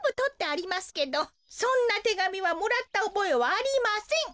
そんなてがみはもらったおぼえはありません！